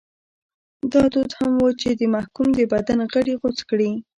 دا دود هم و چې د محکوم د بدن غړي غوڅ کړي.